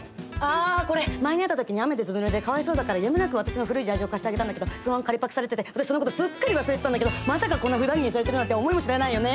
あこれ前に会った時に雨でずぶぬれでかわいそうだからやむなく私の古いジャージを貸してあげたんだけどそのまま借りパクされてて私そのことすっかり忘れてたんだけどまさかこんなふだん着にされてるなんて思いもしないよね。